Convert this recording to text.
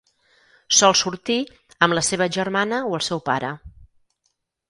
Sol sortir amb la seva germana o el seu pare.